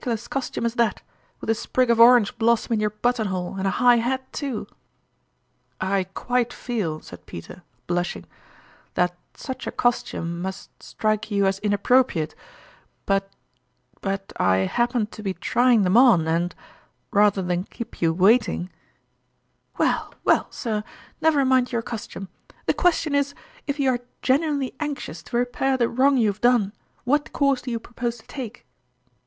lous costume as that, with a sprig of orange blossom in jour button hole and a high hat, too !"" I quite feel," said Peter, blushing, " that such a costume must strike you as inappropri ate ; but but I happened to be trying them on, and rather than keep you waiting "" Well, well, sir, never mind your costume the question is, if you are genuinely anxious to repair the wrong you have done, what course do you propose to take